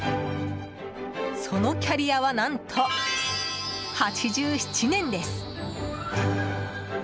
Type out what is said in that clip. そのキャリアは何と８７年です！